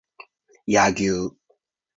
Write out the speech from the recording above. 柳生